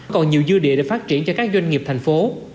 còn nhiều dư địa để phát triển cho các doanh nghiệp thành phố